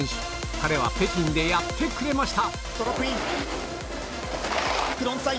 彼は「北京」でやってくれました！